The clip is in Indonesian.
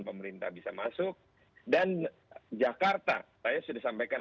pemerintah bisa masuk dan jakarta saya sudah sampaikan